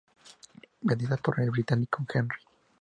Vendidas por el Británico Henry.